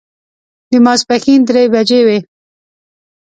د ماسپښین درې بجې وې.